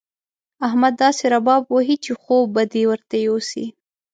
احمد داسې رباب وهي چې خوب به دې ورته يوسي.